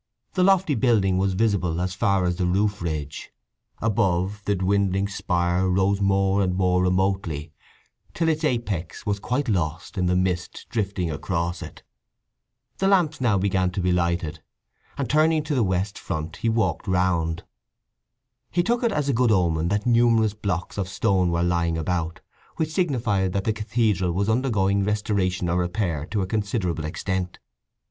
The lofty building was visible as far as the roofridge; above, the dwindling spire rose more and more remotely, till its apex was quite lost in the mist drifting across it. The lamps now began to be lighted, and turning to the west front he walked round. He took it as a good omen that numerous blocks of stone were lying about, which signified that the cathedral was undergoing restoration or repair to a considerable extent.